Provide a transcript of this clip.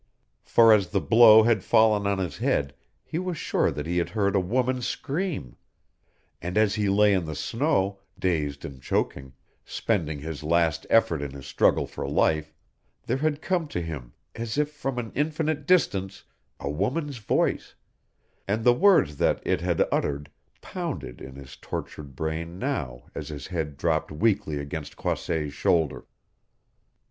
For as the blow had fallen on his head he was sure that he had heard a woman's scream; and as he lay in the snow, dazed and choking, spending his last effort in his struggle for life, there had come to him, as if from an infinite distance, a woman's voice, and the words that it had uttered pounded in his tortured brain now as his head dropped weakly against Croisset's shoulder.